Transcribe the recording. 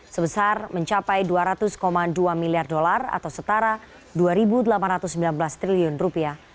sebesar mencapai dua ratus dua miliar dolar atau setara dua delapan ratus sembilan belas triliun rupiah